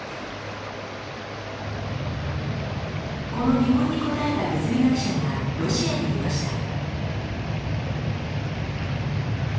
この疑問に答えた物理学者がロシアにいました。